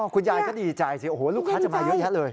คุณยายดีใจลูกค้าจะมาเยอะเลย